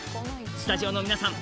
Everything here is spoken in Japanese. スタジオの皆さん